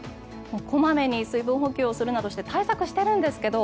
小まめに水分補給するなどして対策しているんですけど